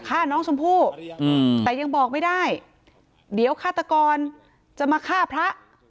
ฆ่าน้องชมพู่แต่ยังบอกไม่ได้เดี๋ยวฆาตกรจะมาฆ่าพระ